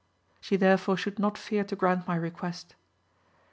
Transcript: She there fore should not fear to grant my request.